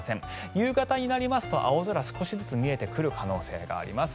夕方になりますと青空が少しずつ見えてくる可能性があります。